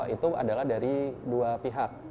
itu adalah dari dua pihak